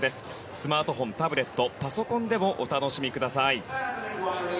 スマートフォン、タブレットパソコンでもお楽しみください。